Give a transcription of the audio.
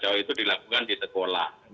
bahwa itu dilakukan di sekolah